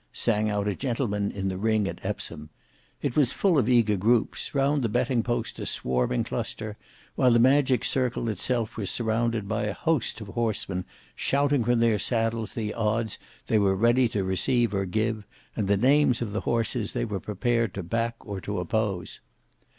sang out a gentleman in the ring at Epsom. It was full of eager groups; round the betting post a swarming cluster, while the magic circle itself was surrounded by a host of horsemen shouting from their saddles the odds they were ready to receive or give, and the names of the horses they were prepared to back or to oppose.